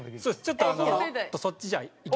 ちょっとそっちじゃあいきますね。